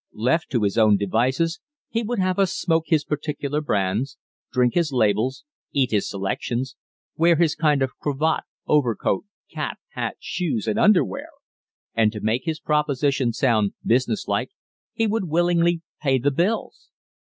Left to his own devices he would have us smoke his particular brands, drink his labels, eat his selections, wear his kind of a cravat, overcoat, cap, hat, shoes, and underwear. And to make his proposition sound business like he would willingly pay the bills!